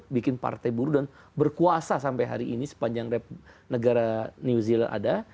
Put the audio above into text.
bikin partai buru dan berkuasa sampai hari ini sepanjang negara new zeal ada